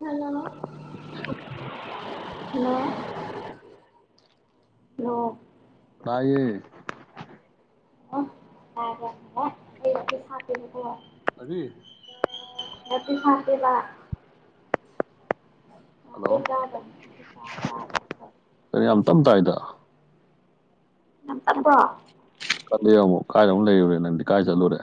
hello hello hello ꯇꯥꯌꯦ ꯌ [unintelligible] ꯑꯕꯤ ꯁꯥꯇꯦꯕ ꯍꯜꯂꯣ [inaudible] ꯇꯝ ꯇꯥꯏꯗ ꯌꯥꯝ ꯇꯞꯄ꯭ꯔꯣ ꯀꯜꯂꯦ ꯑꯃꯨꯛ ꯀꯥꯏꯗ ꯑꯃꯨꯛ ꯂꯩꯔꯨꯔꯦ ꯅꯪꯗꯤ ꯀꯥꯏ ꯆꯠꯂꯨꯔꯦ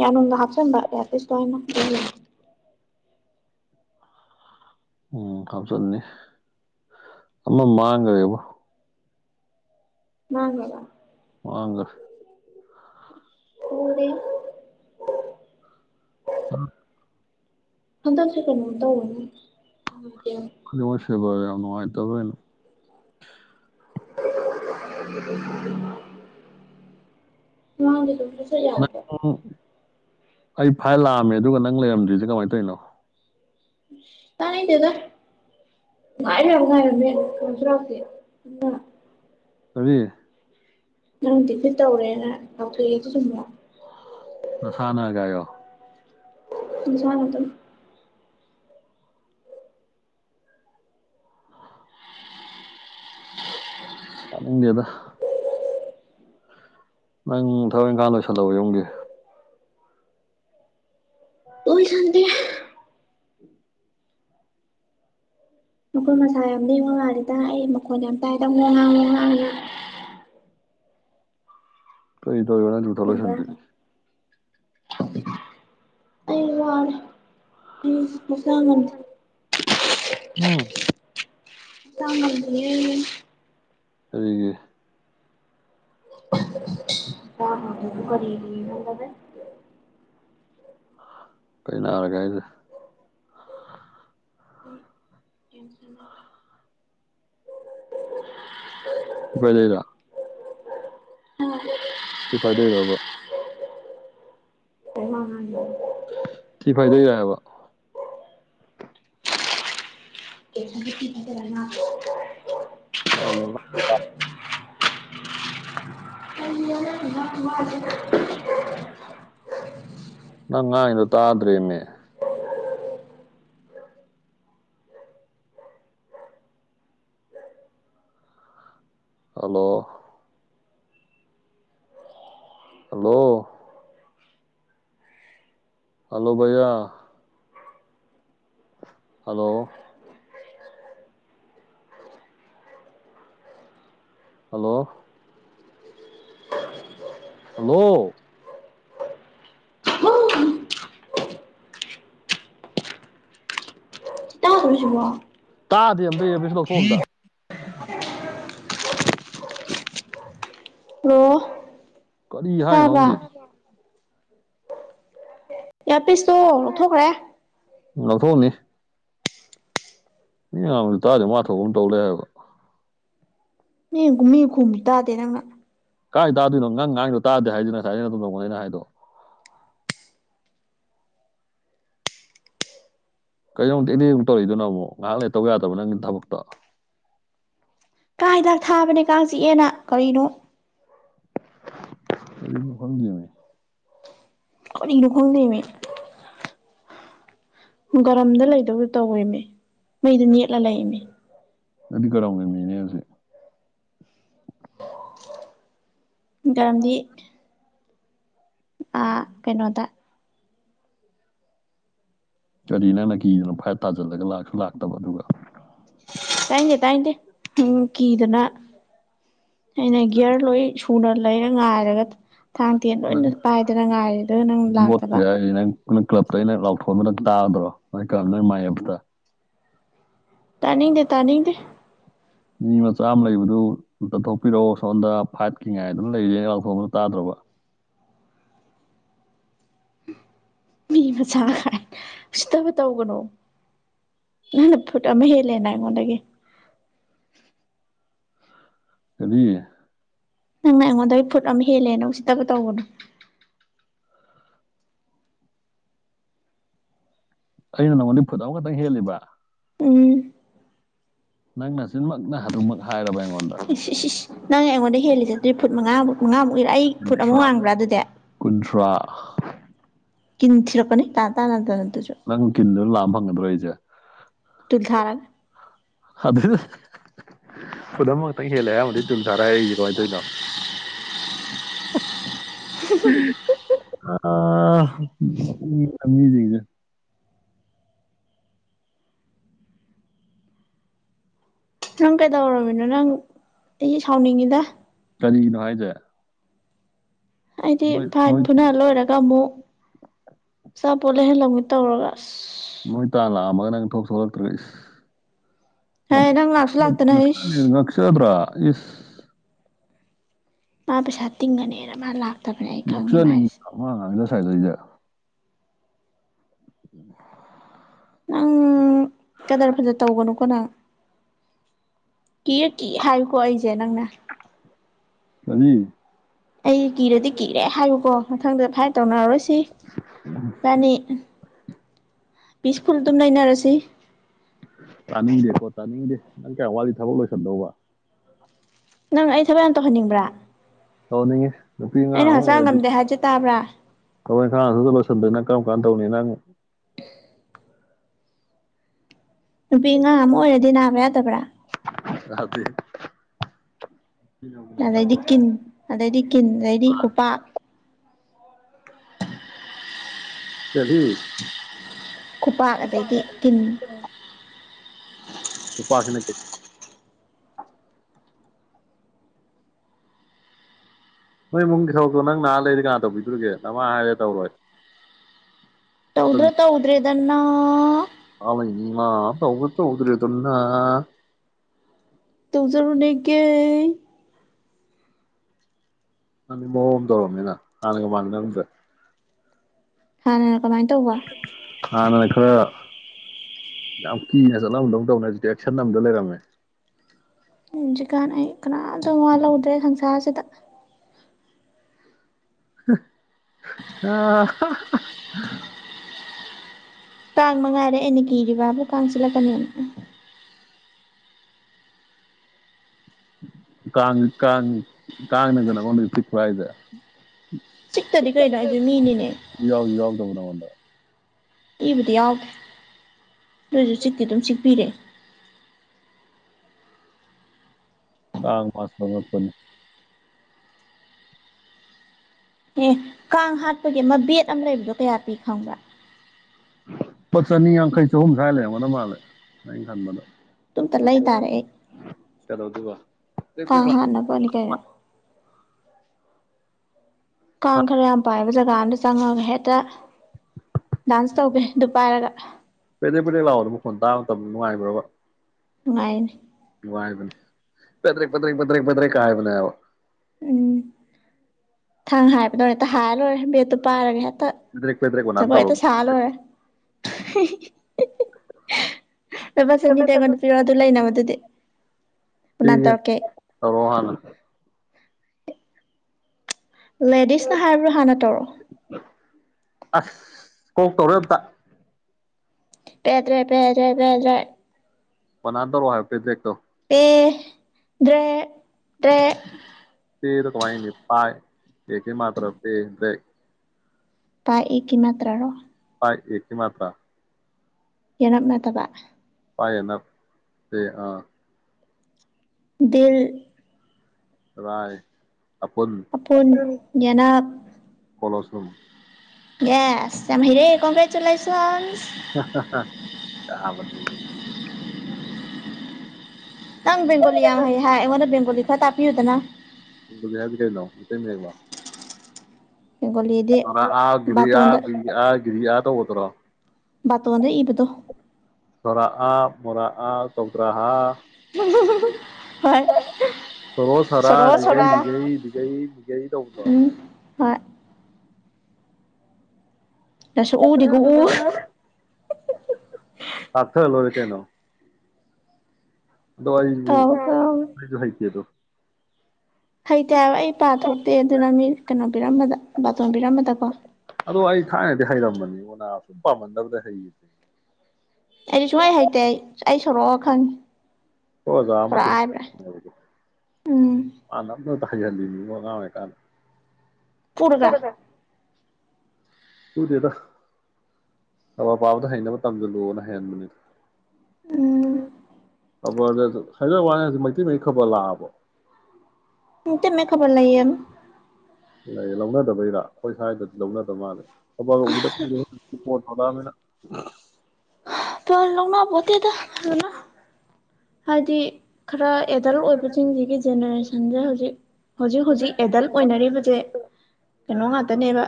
ꯌꯥꯅꯨꯡꯗ ꯍꯥꯞꯆꯤꯟꯕ ꯏꯌꯥꯔ ꯄꯤꯁ ꯇꯣ ꯑꯩꯅ ꯑꯗꯨꯏꯅꯤ ꯎꯝ ꯈꯥꯝꯆꯟꯅꯤ ꯑꯃ ꯃꯥꯡꯈ꯭ꯔꯦꯕ ꯃꯥꯅꯦ ꯋꯥꯡꯒ [unintelligible] ꯎ ꯍꯟꯗꯛꯁꯦ ꯀꯩꯅꯣꯝ ꯇꯧꯋꯦꯅꯦ [unintelligible] ꯁꯦꯕ ꯌꯥꯝ ꯅꯨꯡꯉꯥꯏꯇꯕꯅꯦ [unintelligible] ꯃꯃꯥꯡꯒꯤ ꯑꯗꯨꯝ ꯁꯠ ꯁꯠ ꯂꯥꯛꯄ꯭ꯔꯣ ꯅꯪ ꯑꯩ ꯐꯥꯏꯜ ꯂꯥꯛꯑꯝꯃꯦ ꯑꯗꯨꯒ ꯅꯪ ꯂꯩꯔꯝꯗ꯭ꯔꯤꯁꯦ ꯀꯃꯥꯏꯅ ꯇꯧꯔꯤꯅꯣ ꯇꯥꯅꯤꯡꯗꯦꯗ [unintelligible] ꯀꯔꯤ ꯉꯝꯗꯤ ꯐꯠ ꯇꯧꯔꯦꯅ ꯂꯥꯎꯊꯣꯛꯑꯦ ꯁꯦ ꯆꯨꯝꯕ꯭ꯔꯥ ꯅꯁꯥꯅꯒꯌꯣ ꯀꯁꯨꯃꯅ ꯇ ꯐꯅꯤꯡꯗꯤꯦꯗ ꯅꯪ ꯊꯕꯛ ꯏꯪꯈꯥꯡ ꯂꯣꯏꯁꯜꯂꯛꯑꯣ ꯌꯨꯝꯒꯤ ꯑꯣꯏ ꯆꯗ ꯃꯈꯣꯏ ꯃꯁꯥ ꯌꯥꯝ ꯂꯉ ꯉꯥꯜꯂꯤꯗ ꯑꯩ ꯃꯈꯣꯟ ꯌꯥꯝ ꯇꯥꯏꯗ ꯍ ꯉꯥꯡꯉꯨ ꯉꯥꯡꯉꯦ ꯀꯩ ꯇ ꯀꯅ ꯨꯇ ꯆꯨꯝꯕ꯭ꯔꯥ ꯂꯣꯏꯁꯤꯟꯗꯅꯤ ꯑꯔꯔ ꯃꯁꯥꯃꯠ ꯎꯝ ꯀꯗ ꯍ ꯑꯗꯨꯒꯤꯦ ꯑ ꯀ ꯔꯗꯤꯅꯗ ꯀꯩꯅ ꯑꯔꯒꯥꯏꯁ ꯟꯅ ꯏꯄ ꯂꯩꯔ ꯎꯝ ꯏꯐꯗꯩ ꯂꯕ ꯇ ꯍꯉ ꯁꯤꯤ ꯐꯥꯏꯗꯣꯏꯔꯕ ꯑꯦꯤꯠꯇꯔꯃ ꯑꯃ [unintelligible] ꯅꯪ ꯉꯥꯏꯗ ꯇꯥꯗ꯭ꯔꯦꯃꯦ ꯍꯜꯂꯣ ꯍꯜꯂꯣ ꯍꯜꯂꯣ ꯩꯌꯥ ꯍꯜꯂꯣ ꯍꯜꯂꯣ ꯍꯜꯂꯣ ꯁꯤꯀꯣ ꯃꯤꯁꯨ ꯂꯧꯊꯣꯛꯑꯝꯗ ꯑꯣꯣ ꯀꯔꯤ ꯍꯥꯏꯅꯣ ꯇꯥꯕ ꯈꯪꯗꯦ ꯌꯥ ꯄꯤꯁꯇꯣ ꯂꯧꯊꯣꯛꯈ꯭ꯔꯦ ꯎ ꯂꯧꯊꯣꯛꯎꯅꯦ ꯃꯤ ꯉꯕꯁꯨ ꯇꯥꯥꯁꯦ ꯃꯥ ꯊꯣꯛꯄ ꯑꯃ ꯇꯧꯔꯦ ꯍꯥꯏꯕ ꯅꯨꯝ ꯃꯤ ꯈꯨꯝꯁꯨ ꯇꯥꯗꯦ ꯅꯪꯅ ꯀꯥꯏ ꯇꯥꯗꯣꯏꯅꯣ ꯅꯪ ꯉꯥꯡꯗꯣ ꯇꯥꯗꯦ ꯍꯥꯏꯗꯨꯅ ꯉꯁꯥꯏ ꯑꯩꯅ ꯑꯗꯨꯝ ꯇꯧꯕꯅꯤꯩꯅ ꯍꯥꯏꯗꯣ ꯀꯩꯗꯧꯃꯛꯇ ꯏꯗꯤ ꯑꯃꯨꯛ ꯇꯧꯔꯛꯏꯗꯅꯣ ꯑꯃꯨꯛ ꯉꯥꯏꯍꯥꯛ ꯂꯩ ꯇꯧ ꯌꯥꯗꯕ ꯅꯪꯒꯤ ꯊꯕꯛꯇꯣ ꯀꯥ ꯍꯤꯗꯥꯛ ꯊꯥꯕꯅꯦ ꯀꯥꯡ ꯆꯤꯛꯑꯦꯅ ꯀꯔꯤꯅꯣ ꯐꯃꯦ ꯑꯅꯤꯔ ꯈꯨꯝꯗꯃꯤ ꯒꯔꯝꯗ ꯂꯩꯗꯧꯗ ꯇꯧꯋꯅꯦ ꯃꯩꯗ ꯅꯦꯠꯂ ꯂꯩꯅꯤ ꯑꯗꯤ ꯀꯥꯎꯦ ꯃꯤꯅꯦꯁꯦ ꯀꯝꯗꯤ ꯑ ꯀꯩꯅꯣꯗ ꯀꯔꯤ ꯅꯪꯅ ꯀꯤꯗꯅꯣ ꯐꯥꯏꯠ ꯇꯥꯁꯤꯜꯂꯒ ꯂꯁꯨ ꯂꯥꯛꯇꯕ ꯑꯗꯨꯒ ꯇꯥꯏꯅꯦꯦ ꯇꯥꯏꯗꯦ ꯎꯝ ꯀꯤꯗꯅ ꯑꯩꯅ ꯒꯌꯥꯔ ꯂꯣꯏ ꯁꯨꯗꯔ ꯂꯩ ꯉꯥꯏꯔꯒ ꯊꯥꯡ ꯇꯦꯟ ꯅꯪ ꯂꯣꯏꯅ ꯄꯥꯏꯗꯅ ꯉꯥꯏꯔꯦ ꯑꯗꯨꯒ ꯅꯪ ꯂꯥꯛꯇꯕ ꯅ ꯀ꯭ꯂꯞꯇ ꯑꯩꯅ ꯂꯥꯎꯊꯣꯛꯗꯅ ꯇꯥꯗ꯭ꯔꯣ ꯀ ꯅꯣꯏ ꯃꯥꯌꯦꯇ ꯇꯅꯤꯗꯦ ꯇꯅꯤꯗ ꯃꯤ ꯃꯆꯥ ꯑꯃ ꯂꯩꯕꯗꯨ ꯑꯝꯇ ꯊꯣꯛꯣꯛꯄꯤꯔꯛꯑꯣ ꯁꯣꯝꯗ ꯐꯥꯏꯠꯀꯤꯉꯥꯏ ꯑꯗꯨꯅ ꯂꯩꯔꯤꯦꯅ ꯂꯥꯎꯊꯣꯛꯕꯗ ꯇꯥꯗ꯭ꯔꯕ [unintelligible] ꯃꯤ ꯃꯆꯥ ꯍꯥꯏꯥꯏ ꯁꯤꯠꯇꯕ ꯇꯧꯒꯅꯣ ꯅꯥꯟ ꯐ ꯃꯂꯦ ꯅ ꯍꯥꯏꯣꯟ ꯑꯃꯒꯤꯦ [unintelligible] ꯀꯗꯤ ꯅꯪꯅ ꯑꯩꯉꯣꯟꯗ ꯐꯨꯠ ꯑꯃ ꯍꯦꯜꯂꯦ ꯅ ꯎꯁꯤꯠꯇꯕ ꯇꯧꯕꯅꯣ ꯑꯩꯅ ꯅꯪꯉꯣꯟꯗꯤ ꯐꯨꯠ ꯑꯃꯈꯛꯇꯪ ꯍꯦꯜꯂꯤꯕ ꯎꯝ ꯅꯪꯅ ꯁꯤꯟꯃꯛꯅ ꯑꯗꯨꯃꯛ ꯍꯥꯏꯔꯕ ꯑꯩꯉꯣꯟꯗ ꯅꯪ ꯑꯩꯉꯣꯟꯗ ꯍꯦꯜꯂꯤ ꯆꯠꯇ꯭ꯔꯤ ꯐꯨꯠ ꯃꯉꯥꯃꯨꯛ ꯃꯉꯥꯃꯨꯛꯀꯤꯔ ꯑꯩ ꯐꯨꯠ ꯑꯃꯨꯛ ꯀꯨꯟꯊ꯭ꯔꯥ ꯋꯥꯡꯕ꯭ꯔꯥ ꯑꯗꯨꯗꯤ ꯀꯨꯟꯊ꯭ꯔꯥ ꯀꯤꯟꯊꯤꯔꯛꯅꯤ ꯇ ꯇ ꯅ ꯇ ꯅꯪ ꯀꯤꯟꯗꯨꯅ ꯂꯥꯛꯑ ꯐꯪꯒꯗ꯭ꯔꯣ ꯑꯩꯁꯦ ꯁꯜꯙꯔꯛ ꯑꯗ ꯈꯨꯗꯝ ꯈꯛꯇꯪ ꯍꯦꯜꯂꯦ ꯑꯌꯥꯝꯕꯗꯤ ꯇꯨꯜꯁꯔ ꯑꯩꯁꯦ ꯀꯃꯥꯏꯅ ꯇꯧꯅꯣ [unintelligible] ꯑ ꯉ ꯆꯗꯦ ꯅꯪ ꯀꯩꯗꯧꯃꯤꯅꯣ ꯅꯪ ꯑꯩ ꯁꯥꯎꯅꯤꯡꯉꯤꯗ ꯀꯔꯤꯅꯣ ꯍꯥꯏꯁꯦ ꯍꯥꯏꯗꯤ ꯅꯣꯏ ꯐꯚꯥꯏꯠ ꯅꯣꯏ ꯄꯨꯨꯅ ꯂꯣꯏꯔꯒ ꯑꯃꯨꯛ ꯑꯆꯥꯄꯣꯠ ꯂꯩꯍꯜꯂꯝꯃꯤ ꯇꯧꯔꯒ ꯑꯁ ꯃꯣꯏ ꯇꯥ ꯂꯥꯛꯑꯝꯃꯒ ꯅꯪ ꯊꯣꯛ ꯁꯣꯛꯂꯛꯇ꯭ꯔꯁ ꯍꯦ ꯅꯪ ꯂꯥꯛꯁꯨ ꯂꯥꯛꯇꯅ ꯍꯩꯁ ꯅꯁꯗ꯭ꯔ ꯏꯁ ꯃꯥ ꯄꯩꯁꯥ ꯇꯤꯡꯒꯅꯦꯅ ꯃꯥ ꯂꯥꯛ ꯅꯣꯛꯆꯅꯤꯡꯥꯡꯗ ꯁꯥꯏꯗꯁꯦ ꯎꯝ ꯅꯪ ꯀꯗꯔ ꯐꯖꯅ ꯇꯧꯒꯅꯨꯀꯣ ꯅꯪ ꯀꯤ ꯀ ꯍꯥꯏꯀꯣ ꯑꯩꯁꯦ ꯅꯪꯅꯦ ꯀꯅꯤ ꯑꯩ ꯀꯤꯔꯗꯤ ꯀꯤꯔꯦ ꯍꯥꯏꯕꯨꯀꯣ ꯃꯊꯪꯗ ꯐꯥꯏꯔ ꯇꯧꯅꯔꯔꯣꯏꯁꯤ ꯔꯅꯤ ꯄꯕꯤꯁ ꯐꯨꯜ ꯑꯗꯨꯝ ꯂꯩꯅꯔꯁꯤ ꯇꯥꯅꯤꯡꯗꯦꯀꯣ ꯇꯥꯅꯤꯡꯗꯦ ꯅꯪ ꯀꯌꯥ ꯋꯥꯂꯤ ꯊꯕꯛ ꯂꯣꯏꯁꯤꯟꯗꯧꯕ ꯅꯪ ꯑꯩ ꯊꯕꯛ ꯌꯥꯝ ꯇꯧꯍꯟꯅꯤꯡꯕ꯭ꯔꯥ ꯍꯧꯅꯤꯡꯦ ꯑꯩꯅ ꯍꯛꯆꯥꯡ ꯉꯝꯗꯦ ꯍꯥꯏꯖ ꯇꯥꯕ꯭ꯔꯥ ꯀꯈꯣꯏ ꯏꯈꯥꯡꯁꯨꯗ ꯂꯣꯏꯁꯤꯟꯗꯅ ꯀꯔꯝ ꯀꯥꯟꯅ ꯇꯧꯅꯤ ꯅꯪ ꯅꯨꯄꯤ ꯑꯉꯥꯡ ꯑꯃ ꯑꯣꯏꯔꯗꯤ ꯅꯥꯕ ꯌꯥꯗꯕ꯭ꯔꯥ ꯔꯗꯤ ꯑꯗꯩꯗꯤ ꯀꯤꯟ ꯑꯗꯩꯗꯤ ꯀꯤꯟ ꯑꯗꯩꯗꯤ ꯈꯨꯄꯥꯛ [unintelligible] ꯀꯔꯤ ꯈꯨꯄꯥꯛ ꯑꯗꯩꯗꯤ ꯀꯤꯟ ꯅꯨꯄꯥꯁꯤꯅ ꯀꯩ ꯅꯣꯏ ꯏꯃꯨꯡꯒꯤ ꯊꯕꯛꯇꯣ ꯅꯪ ꯅꯥ ꯂꯩꯗꯤ ꯀꯥꯅ ꯇꯧꯕꯤꯗꯨꯔꯤꯉꯦ ꯅꯃꯥ ꯍꯥꯏꯔꯦ ꯇꯧꯔꯣꯏ ꯇꯧꯗꯔ ꯇꯧꯗ꯭ꯔꯦꯗꯅ ꯑ ꯇꯧꯕ ꯇꯧꯗ꯭ꯔꯦꯗꯅ ꯇꯧꯖꯔꯨꯅꯦꯉꯦ ꯅꯪꯗꯤ ꯃꯑꫭꯡꯃ ꯇꯧꯔꯝꯃꯦꯅ ꯍꯥꯟꯅꯒ ꯃꯥꯟꯅꯔꯝꯗꯔꯦ ꯍꯟꯅ ꯀꯃꯥꯏ ꯇꯧꯕ ꯍꯦꯔ ꯌꯥꯝ ꯀꯤꯅ ꯆꯠꯂꯝꯗꯧ ꯗꯩꯅ ꯍꯧꯖꯤꯛꯇꯤ ꯑꯦꯛꯁꯟ ꯑꯝꯗ ꯂꯩꯔꯝꯃꯦ ꯍꯧꯖꯤꯛꯀꯥꯟ ꯑꯩ ꯀꯅꯥꯝꯇ ꯃꯋꯥ ꯂꯧꯗꯔꯦ ꯁꯪꯁꯥꯔꯁꯤꯗ ꯑ ꯀꯥꯡ ꯃꯉꯥꯏꯔꯦ ꯑꯩꯅ ꯀꯤꯔꯤꯕꯕꯨ ꯀꯥꯡ ꯆꯤꯛꯂꯛꯀꯅꯤꯅ ꯀꯥꯡ ꯀꯥꯡ ꯀꯥꯡꯅꯒ ꯅꯉꫭꯟꯗ ꯆꯤꯛꯍꯔꯦ ꯍꯥꯏꯖꯦ ꯆꯤꯛꯇꯗꯤ ꯀꯩꯅꯣ ꯑꯩꯗꯤ ꯃꯤꯅꯤꯅꯦ ꯌꯥꯎꯖꯨ ꯌꯥꯎꯗꯕ ꯅꯉꫭꯟꯗ ꯏꯕꯨꯗꯤ ꯌꯥꯎ ꯑꯗꫭꯏꯖꯨ ꯆꯤꯛꯇꯤ ꯗꯨꯝ ꯆꯤꯛ ꯄꯤꯔꯛꯑ ꯀꯥꯡ ꯃꯥꯁꯨ ꯑꯉꯛ ꯄꯅꯤ ꯑꯦ ꯀꯥꯡ ꯍꯥꯠꯄꯒꯤ ꯑꯃ ꯕꯦꯠ ꯑꯃ ꯂꯩꯕꯗꯣ ꯀꯌꯥ ꯄꯤ ꯈꯪꯕ꯭ꯔꯥ ꯂꯨ ꯆꯅꯤ ꯌꯥꯡꯈꯩ ꯆꯍꯨꯝ ꯁꯥꯏ ꯂꯩꯔꯝꯉꯗ ꯃꯥꯜꯂꯦ ꯑꯩꯅ ꯈꯟꯕꯗ ꯑꯗꯨꯝꯇ ꯂꯩ ꯇꯥꯔꯦ ꯑꯩ ꯀꯩꯗꯧꯗꯣꯏꯕ ꯄꯦꯗ꯭ꯔꯦꯛ ꯄꯦꯗ꯭ꯔꯦꯛ ꯀꯥꯡ ꯂꯥꯎ ꯈꯥꯠ ꯅꯕꯅꯤ ꯀꯩꯅꫭ ꯑ ꯀꯥꯡ ꯈꯔ ꯌꯥꯝ ꯄꯥꯏꯕ ꯖꯒꯥ ꯃꯗ ꯆꯪꯉꯥꯡ ꯍꯦꯛꯇ ꯗꯥꯟꯁ ꯇꯧꯒꯦ ꯑꯗꯨ ꯄꯥꯏꯔꯒ ꯄꯦꯗ꯭ꯔꯦꯛ ꯄꯦꯗ꯭ꯔꯦꯛ ꯂꯥꯎꯕꯗꫭ ꯃꯈꫭꯟ ꯇꯥꯕ ꯃꯇꯝ ꯅꯨꯡꯉꯥꯏꯕꯔꯕ ꯅꯨꯡꯉꯥꯏꯅꯦ ꯅꯨꯡ ꯉꯥꯏꯕꯅꯦ ꯄꯦꯗ꯭ꯔꯦꯛ ꯄꯦꯗ꯭ꯔꯦꯛ ꯄꯦꯗ꯭ꯔꯦꯛ ꯄꯦꯗ꯭ꯔꯦꯛꯀ ꯈꯥꯏꯕꯅꯦꯕ ꯎꯝ ꯊꯥꯡ ꯍꯥꯏꯕꯗꫭ ꯍꯦꯛꯇ ꯍꯥꯏꯔ ꯂꯣꯏꯔꯦ ꯕꯦꯠꯇꫭ ꯄꯥꯏꯔꯒ ꯍꯦꯛꯇ ꯄꯦꯗ꯭ꯔꯦꯛ ꯄꯦꯗ꯭ꯔꯦꯛ ꯃꯅꯥꯟ ꯖꯉꫭꯏ ꯇꯧꯔꯣ ꯈꯦꯛꯇ ꯁꯥ ꯂꫭꯏꯔꯦ ꯂꯨꯄ ꯆꯅꯤꯗ ꯑꯩꯉꫭꯟꯗ ꯄꯤꯔꯛꯑꫭ ꯑꯗꯨ ꯂꯩꯅꯕꯗꯨꯗꯤ ꯀꯅꯥꯅ ꯄꯤꯉꯦ ꯇꯧꯔꯛꯀꯦ ꯊꯧꯔꫭ ꯈꯟꯅ ꯂꯦꯗꯤꯁꯅ ꯍꯥꯏꯕꯔ ꯍꯥꯟꯅ ꯇꯧꯔꯣ ꯑꯁ ꯀꯣꯛ ꯇꯧꯔꫭꯏ ꯑꯝꯇ ꯄꯦꯗ꯭ꯔꯦꯛ ꯄꯦꯗ꯭ꯔꯦꯛ ꯄꯦꯗ꯭ꯔꯦꯛ ꯄꯟ ꯅꯥꯟ ꯇꯧꯔꯛꯑꫭ ꯄꯦꯗ꯭ꯔꯦꯛ ꯇꫭ ꯄꯦ ꯗꯔꯦ ꯗꯔꯦꯛ ꯄꯦꯗꫭ ꯀꯃꯥꯏ ꯏꯅꯤ ꯄꯥꯏ ꯑꯦ ꯀꯤ ꯃꯥꯇꯔ ꯄꯦ ꯗꯔꯦꯛ ꯄꯥꯏ ꯑꯦ ꯀꯤ ꯃꯥꯇꯔ ꯂꫭ ꯄꯥꯏ ꯑꯦꯀꯤ ꯃꯥꯇꯔ ꯌꯦꯅꯞ ꯅꯠꯇꯕ ꯄꯥꯏ ꯌꯦꯅꯞ ꯑꯦ ꯑ ꯗꯤꯜ ꯔꯥꯏ ꯑꯄꯨꯟ ꯌꯦꯅꯞ ꯀꫭꯛ ꯂꫭꯟꯁꯨꯝ ꯌꯦꯏ ꯌꯥꯝ ꯍꯩꯔꯦ ꯀꯣꯡꯉꯔꯦꯆꯨꯂꯦꯁꯟ ꯊꯥꯕꯗꯤ ꯅꯪ ꯕꯦꯡꯒꯣꯂꯤ ꯌꯥꯝ ꯍꯩ ꯍꯥꯏ ꯑꯩꯉꯣꯟꯗ ꯕꯦꯡꯒꯣꯂꯤ ꯈꯔ ꯇꯥꯛꯄꯤꯌꯨꯗꯅ ꯍꯥꯏꯗꯤ ꯀꯩꯅꯣ ꯃꯩꯇꯩ ꯃꯌꯦꯛ ꯂꫭ ꯕꯦꯡꯒꯣꯂꯤꯗꯤ ꯑꯥ ꯕꯥꯇꯣꯟꯗ ꯒꯤꯘꯔꯤ ꯑꯥ ꯑꯥ ꯒꯤꯦꯔꯤ ꯑꯥ ꯇꯧꯒꯠꯇꯔꯣ ꯕꯥꯇꯣꯟꯗ ꯏꯕꯗꯣ ꯁꯣꯔꯥ ꯃꯣꯔꯥ ꯆꯧꯗ꯭ꯔꯥꯥ ꯃꯖ ꯍꯚꯥꯏ ꯁꯣꯔꯣ ꯁꯥꯔꯥ ꯈꯩ ꯗꯤꯒꯩ ꯗꯤꯒꯩ ꯗꯤꯒꯩ ꯇꯧꯕꯗ꯭ꯔꯣ ꯎꯝ ꯍꯣꯏ ꯂꯁꯨ ꯎꯗꯤꯒꯨ ꯎ ꯊꯥꯛꯊꯂꯣꯔ ꯀꯩꯅꯣ ꯗ ꯀꯥꯎ ꯀꯥꯎꯋꯦ ꯑꯩꯏꯕꯨꯁꯨ ꯍꯥꯏ ꯑꯗꯨꯣ ꯍꯩꯇꯦ ꯍꯥꯏꯕ ꯑꯩ ꯄꯥ ꯊꯣꯛꯇꯦ ꯑꯗꯨꯅ ꯃꯤ ꯀꯩꯅꯣ ꯄꯤꯔꯝꯕꯗ ꯕꯥꯇꯣꯟ ꯄꯤꯔꯝꯕꯗꯀꯣ ꯑꯗꯣ ꯑꯩ ꯊꯥꯏꯅꯗꯤ ꯍꯩꯔꯝꯕꯅꯤ ꯎꯅꯥ ꯁꯨꯝ ꯄꯥꯃꯟꯕꯗ ꯍꯩꯈꯤꯗꯦ ꯑꯩꯗꯤ ꯁꯨꯡꯋꯥꯥꯏ ꯍꯩꯇꯦ ꯑꯩ ꯑꯩ ꯁꯣꯔꯛꯑꯣ ꯈꯪꯉꯤ ꯍꯗ ꯁꯣꯔꯥꯛꯑ ꯍꯥꯏꯕ꯭ꯔꯥ ꯎꯝ ꯃ ꯇꯥꯖꯗꯤꯅꯤꯉꯉꯥꯡꯃꯦꯦ ꯀꯅ ꯄꯨꯔꯒꯥ ꯎꯏꯗꯦꯗ ꯑꯋꯥ ꯄꯥꯕꯗ ꯍꯩꯅꯕ ꯇꯝꯁꯤꯜꯂꯣꯑꯣꯅ ꯍꯩꯍꯟꯕꯅꯤꯗ ꯎꯝ ꯑꯩ ꯍꯥꯏꯗ ꯋꯥꯅꯤ ꯃꯩꯇꯩ ꯃꯌꯦꯛ ꯈꯕꯔ ꯂꯥꯛꯑꯕ ꯇꯃꯦ ꯈꯕꯔ ꯂꯩꯏ ꯌꯥꯝꯦꯝ ꯂꯧꯅꯗꯕꯩꯔ ꯑꯩꯈꯣꯏ ꯁ꯭ꯋꯥꯏꯗꯗꯤ ꯂꯧꯅꯗꯕ ꯃꯥꯜꯂꯦ ꯊꯕꯗ ꯑꯗꯥꯃꯤꯅ ꯐ ꯂꯧꯅ ꯄꯣꯠꯇꯤꯗ ꯐ ꯍꯥꯏꯗꯤ ꯈꯔ ꯑꯦꯗꯜ ꯑꯣꯏꯕꯁꯤꯡꯁꯤꯒꯤ ꯖꯦꯅꯦꯔꯦꯁꯟꯁꯦ ꯍꯧꯖꯤꯛ ꯍꯧꯖꯤꯛ ꯍꯧꯖꯤꯛ ꯑꯦꯗꯜꯠ ꯑꯣꯏꯅꯔꯤꯕꯁꯦ ꯀꯩꯅꯣ ꯉꯥꯛꯇꯅꯦꯕ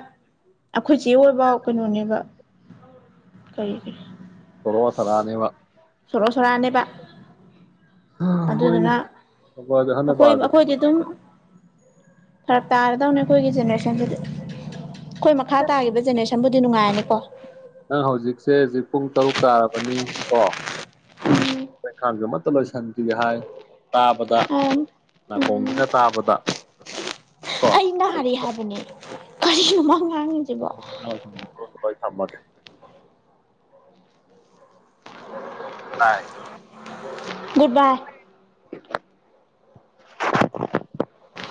ꯑꯩꯈꯣꯏ ꯆꯦ ꯑꯣꯏꯕ ꯀꯩꯅꯣꯅꯦꯕ ꯀ ꯁꯣꯔꯣ ꯁꯔꯥꯅꯦꯕ ꯆꯂ ꯆꯣꯔ ꯑꯅꯦꯕ ꯍꯣꯏꯅꯦ ꯑꯗꯨꯗꯨꯅ ꯈꯕꯔꯁꯦ ꯑꯍꯟꯅ ꯑꯩꯈꯣꯏ ꯄꯥꯔꯗꯤ ꯑꯩꯈꯣꯏꯗꯤ ꯑꯗꯨꯝ ꯈꯔꯞ ꯇꯥꯔꯗꯧꯅꯦ ꯑꯩꯈꯣꯏꯒꯤ ꯖꯦꯅꯦꯔꯦꯁꯟꯗꯨꯗꯤ ꯑꯩꯈꯣꯏ ꯃꯈꯥ ꯇꯥꯈꯤꯕ ꯖꯦꯅꯦꯔꯦꯁꯟꯕꯨ ꯑꯗꯨ ꯅꯨꯡꯉꯥꯏꯔꯅꯤꯀꯣ ꯅꯪ ꯍꯧꯖꯤꯛꯁꯦ ꯍꯧꯖꯤꯛ ꯄꯨꯡ ꯇꯔꯨꯛ ꯇꯥꯔꯕꯅꯤ ꯀꯣ ꯈꯥꯒ ꯃꯠꯇꯂ ꯁꯥꯟꯇꯒꯤ ꯍꯥꯏ ꯇꯥꯕꯗ ꯎꯝ ꯅꯥꯀꯣꯡꯁꯤꯅ ꯇꯥꯕꯗ ꯀꯣ ꯍꯥꯏ ꯍꯥꯏꯕꯅꯦ ꯀꯔꯤ ꯊꯃꯒꯦ [unintelligible] ꯍꯥꯏ ꯨꯠ ꯕꯥꯏ [unintelligible]